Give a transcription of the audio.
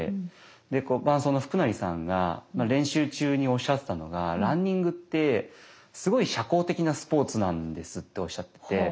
伴走の福成さんが練習中におっしゃってたのがランニングってすごい社交的なスポーツなんですっておっしゃってて。